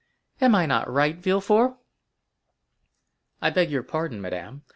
Am I not right, Villefort?" "I beg your pardon, madame.